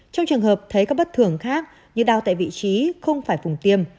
trong trường hợp thấy các bất thường khác như đau tại vị trí không phải vùng tiêm